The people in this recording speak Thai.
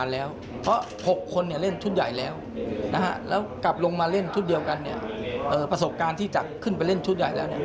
แล้วกลับลงมาเล่นชุดเดียวกันเนี่ยประสบการณ์ที่จะขึ้นไปเล่นชุดใหญ่แล้ว